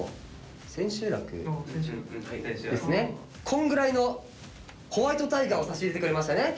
こんぐらいのホワイトタイガーを差し入れてくれましたね。